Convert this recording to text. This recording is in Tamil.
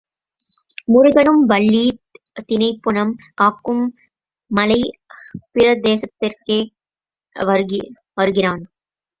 முருகனும் வள்ளி தினைப்புனம் காக்கும் மலைப் பிரதேசத்திற்கே வருகிறான்.